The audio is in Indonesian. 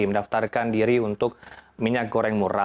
mendaftarkan diri untuk minyak goreng murah